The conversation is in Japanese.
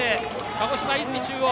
鹿児島・出水中央。